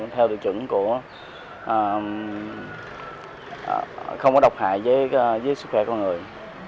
theo tiêu chuẩn của không có độc hại với sức khỏe con người